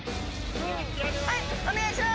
はいお願いします。